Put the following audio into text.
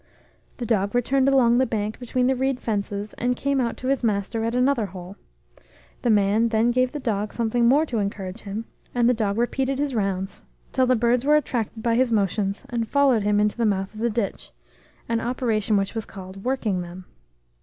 The dog returned along the bank between the reed fences, and came out to his master at another hole. The man then gave the dog something more to encourage him, and the dog repeated his rounds, till the birds were attracted by his motions, and followed him into the mouth of the ditch an operation which was called 'working them.'